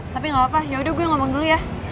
tapi gapapa yaudah gue ngomong dulu ya